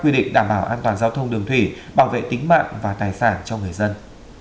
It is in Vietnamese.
quy định đảm bảo an toàn giao thông đường thủy bảo vệ tính mạng và tài sản cho người dân